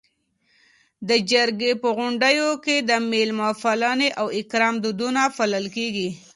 د جرګې په غونډو کي د میلمه پالنې او اکرام دودونه پالل کيږي.